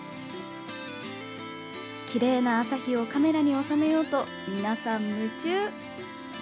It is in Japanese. きれいな朝日をカメラに収めようと、皆さん夢中。